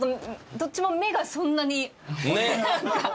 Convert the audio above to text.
どっちも目がそんなになんか。